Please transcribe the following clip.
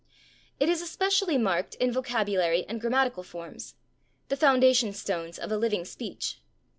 It is especially marked in vocabulary and grammatical forms the foundation stones of a living speech.